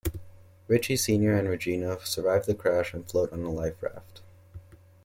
Richie Senior and Regina survive the crash and float on a life raft.